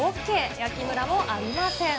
焼きむらもありません。